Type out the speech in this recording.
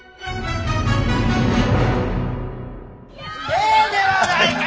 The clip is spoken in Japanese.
ええではないか！